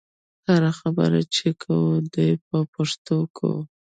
هره خبره چې کوو دې په پښتو کوو.